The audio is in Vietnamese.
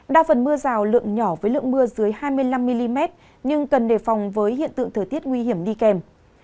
đa phần mưa rào lượng nhỏ với lượng mưa dưới hai mươi năm mm nhưng cần đề phòng với hiện tượng thời tiết nguy hiểm đi kèm